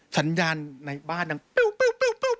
สัญญาณในบ้านดังปิ้ว